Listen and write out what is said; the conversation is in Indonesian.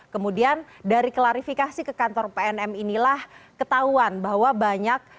kemudian dari klarifikasi ke kantor pnm inilah ketahuan bahwa banyak